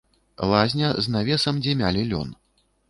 Лазня з навесам, дзе мялі лён.